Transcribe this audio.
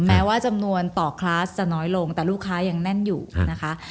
แม้ว่าจำนวนต่อคลาสจะน้อยลงแต่ลูกค้ายังแน่นอยู่นะคะ